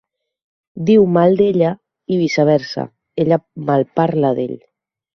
Diu mal d'ella, i viceversa, ella malparla d'ell.